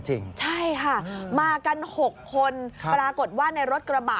จริงใช่ค่ะมากัน๖คนปรากฏว่าในรถกระบะ